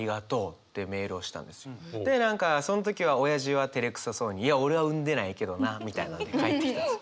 で何かその時はおやじはてれくさそうにいや俺は産んでないけどなみたいなのが返ってきたんですよ。